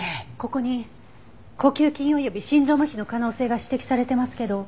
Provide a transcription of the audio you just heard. ここに呼吸筋および心臓麻痺の可能性が指摘されてますけど。